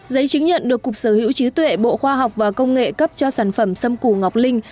giấy chứng nhận được cục sở hữu trí tuệ bộ khoa học và công nghệ cấp cho sản phẩm xâm củ ngọc linh